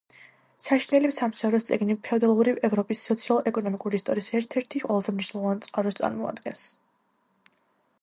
საშინელი სამსჯავროს წიგნი ფეოდალური ევროპის სოციალ-ეკონომიკური ისტორიის ერთ-ერთი ყველაზე მნიშვნელოვან წყაროს წარმოადგენს.